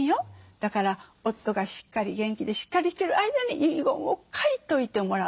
だから夫が元気でしっかりしてる間に遺言を書いといてもらう。